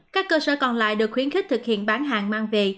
các cơ sở còn lại được khuyến khích thực hiện bán hàng mang về